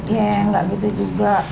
ya gak gitu juga